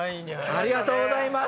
ありがとうございます！